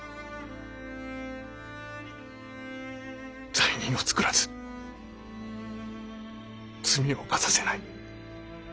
罪人を作らず罪を犯させない。